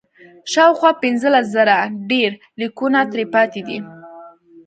شاوخوا پنځلس زره ډبرلیکونه ترې پاتې دي.